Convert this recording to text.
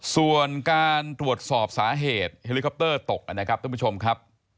ส่วนการตรวจสอบสาเหตุเฮลิคอปเตอร์ตกนะครับท่านผู้ชมครับ